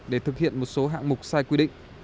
để thực hiện một số hạng mục sai quy định